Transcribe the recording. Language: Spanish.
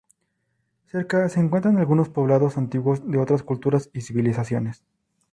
Cerca se encuentran algunos poblados antiguos de otras culturas y civilizaciones.